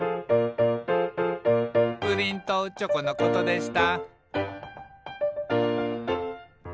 「プリンとチョコのことでした」